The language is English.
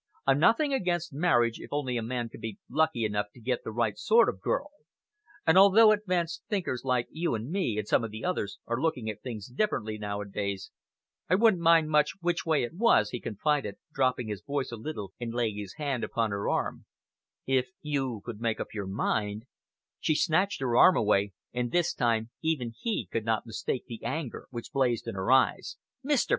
I've nothing against marriage if only a man can be lucky enough to get the right sort of girl, and although advanced thinkers like you and me and some of the others are looking at things differently, nowadays, I wouldn't mind much which way it was," he confided, dropping his voice a little and laying his hand upon her arm, "if you could make up your mind " She snatched her arm away, and this time even he could not mistake the anger which blazed in her eyes. "Mr.